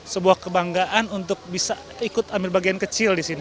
sebuah kebanggaan untuk bisa ikut ambil bagian kecil di sini